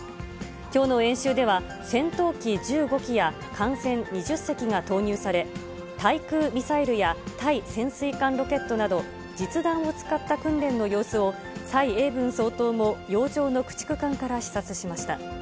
きょうの演習では、戦闘機１５機や艦船２０隻が投入され、対空ミサイルや、対潜水艦ロケットなど、実弾を使った訓練の様子を蔡英文総統も洋上の駆逐艦から視察しました。